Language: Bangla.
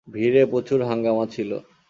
ভিড়ে প্রচুর হাংগামা ছিলো।